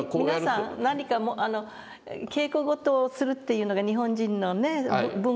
皆さん何か稽古事をするっていうのが日本人のね文化の中の。